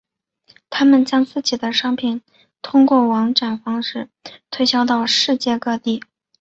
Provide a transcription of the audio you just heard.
他们将自己的商品通过网展方式推销到世界各地。